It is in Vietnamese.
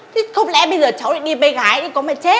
thế không lẽ bây giờ cháu đi mê gái thì có mệt chết à